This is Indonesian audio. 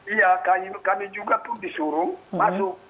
iya kami juga pun disuruh masuk